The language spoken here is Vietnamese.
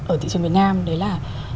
ở thị trường việt nam đấy là